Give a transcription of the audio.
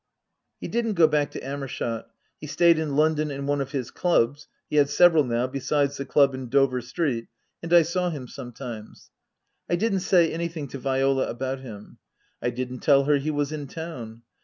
He didn't go back to Amershott. He stayed in London in one of his clubs (he had several now, besides the club in Dover Street), and I saw him sometimes. I didn't say anything to Viola about him. I didn't tell her he was in town.